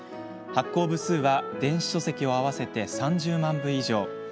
発行部数は電子書籍合わせて３０万部以上。